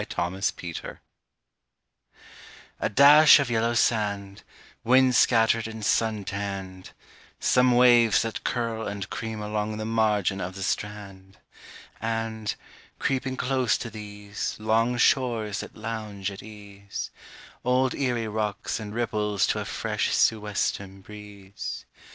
ERIE WATERS A dash of yellow sand, Wind scattered and sun tanned; Some waves that curl and cream along the margin of the strand; And, creeping close to these Long shores that lounge at ease, Old Erie rocks and ripples to a fresh sou' western breeze.